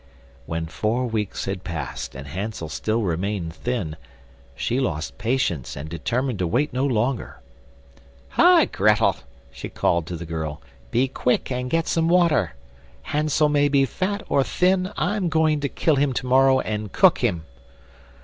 When four weeks had passed and Hansel still remained thin, she lost patience and determined to wait no longer. "Hi, Grettel," she called to the girl, "be quick and get some water. Hansel may be fat or thin, I'm going to kill him to morrow and cook him."